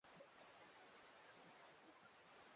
wa katibu mkuu wa Umoja wa Mataifa Antonio Guterres